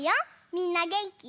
みんなげんき？